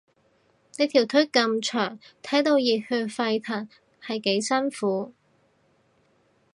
你條腿咁長，睇到熱血沸騰係幾辛苦